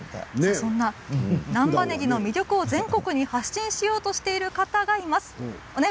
そんな難波ねぎの魅力を全国に発信しようとしてる方が